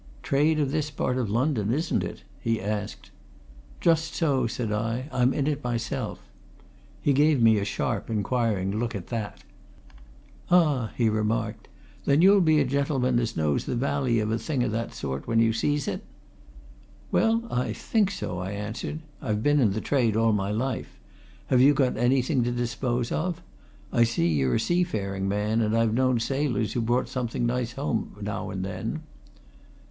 "Trade of this part of London, isn't it?" he asked. "Just so," said I. "I'm in it myself." He gave me a sharp inquiring look at that. "Ah!" he remarked. "Then you'll be a gentleman as knows the vally of a thing o' that sort when you sees it?" "Well I think so," I answered. "I've been in the trade all my life. Have you got anything to dispose of? I see you're a seafaring man, and I've known sailors who brought something nice home now and then."